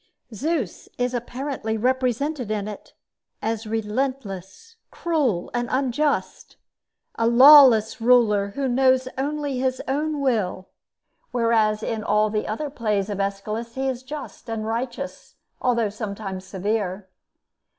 Zeus is apparently represented in it as relentless, cruel, and unjust, a lawless ruler, who knows only his own will, whereas in all the other plays of Aeschylus he is just and righteous, although sometimes severe.